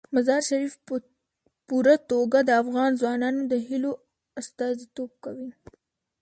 مزارشریف په پوره توګه د افغان ځوانانو د هیلو استازیتوب کوي.